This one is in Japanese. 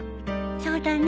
そうだね。